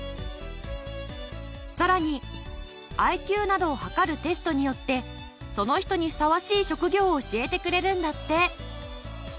さらにＩＱなどを測るテストによってその人にふさわしい職業を教えてくれるんだって。